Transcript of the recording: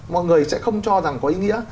mọi người sẽ không cho rằng có ý nghĩa